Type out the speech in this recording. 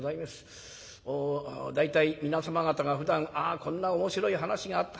大体皆様方がふだん「あこんな面白い話があった。